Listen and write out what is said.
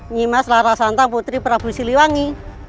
nih mas larasantang putri prabu siliwangi